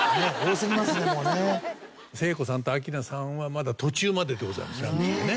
聖子さんと明菜さんはまだ途中まででございますランキングね。